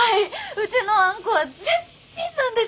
うちのあんこは絶品なんです。